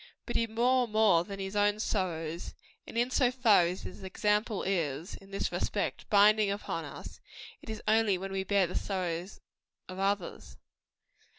But he bore more than his own sorrows; and in so far as his example is, in this respect, binding upon us, it is only when we bear the sorrows of others.